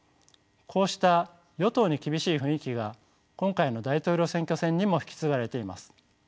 こうした与党に厳しい雰囲気が今回の大統領選挙戦にも引き継がれています。